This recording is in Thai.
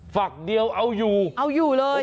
ฝักเดียวเอาอยู่เอาอยู่เลย